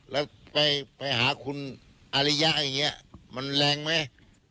แล้วไปหาคุณอาริยะอย่างนี้มันแรงไหม